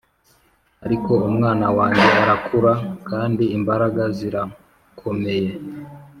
ariko umwana wanjye arakura, kandi imbaraga zirakomeye.